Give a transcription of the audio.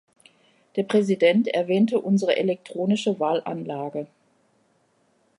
Der Präsident erwähnte unsere elektronische Wahlanlage.